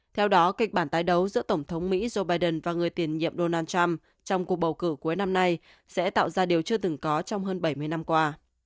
theo đó kịch bản tái đấu giữa tổng thống mỹ joe biden và người tiền nhiệm donald trump trong cuộc bầu cử cuối năm nay sẽ tạo ra điều chưa từng có trong hơn bảy mươi năm qua